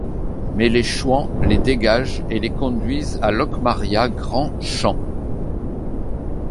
Mais les Chouans les dégagent et les conduisent à Locmaria-Grand-Champ.